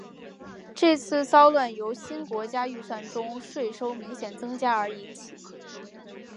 这次骚乱由新国家预算中税收明显增加而引起。